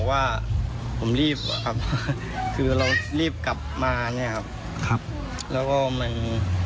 แล้วก็มัน